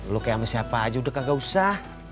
lu kayak sama siapa aja udah kagak usah